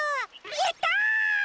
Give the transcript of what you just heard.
やった！